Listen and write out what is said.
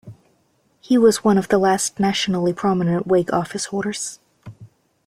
He was one of the last nationally prominent Whig office holders.